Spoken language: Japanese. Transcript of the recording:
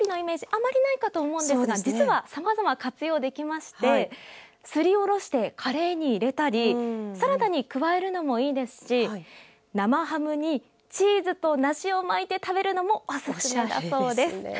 あまりないかと思うんですが実は、さまざま活用できましてすりおろしてカレーに入れたりサラダに加えるのもいいですし生ハムにチーズと梨を巻いて食べるのもおすすめだそうです。